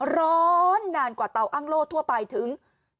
ร้อนนานกว่าเตาอ้างโล่ทั่วไปถึง